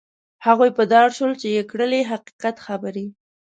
هغوی په دار شول چې یې کړلې حقیقت خبرې.